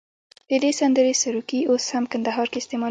د دې سندرې سروکي اوس هم کندهار کې استعمالوي.